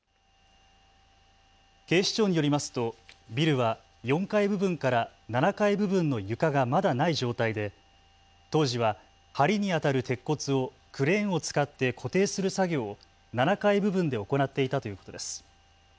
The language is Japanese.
警視庁によりますとビルは４階部分から７階部分の床がまだない状態で当時ははりにあたる鉄骨をクレーンを使って固定する作業を７階部分で行っていたということです。